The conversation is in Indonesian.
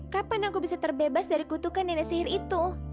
kapan aku bisa terbebas dari kutukan nenek sihir itu